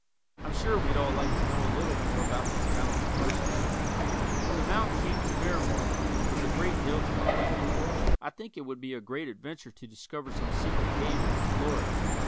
I'm sure we'd all like to know a little more about these talented persons. "When the Mountain Came to Miramar" was a great deal to my liking. I think it would be a great adventure to discover some secret cave and explore it.